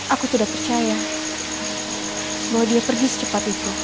aku tidak percaya bahwa dia pergi secepat itu